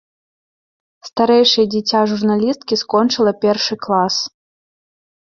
Старэйшае дзіця журналісткі скончыла першы клас.